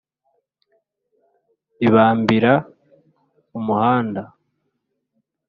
ibambira umuhanda,